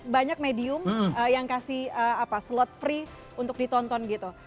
banyak medium yang kasih slot free untuk ditonton gitu